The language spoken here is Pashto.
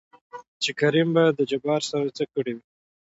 چې کريم به د جبار سره څه کړې وي؟